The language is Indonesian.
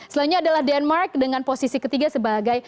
selanjutnya adalah denmark dengan posisi ketiga sebagai